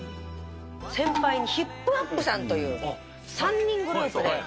先輩にヒップアップさんという、３人組のグループで。